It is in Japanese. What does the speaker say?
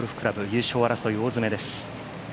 優勝争い、大詰めです。